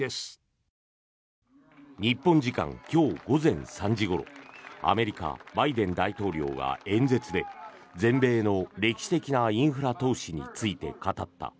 日本時間今日午前３時ごろアメリカ、バイデン大統領が演説で全米の歴史的なインフラ投資について語った。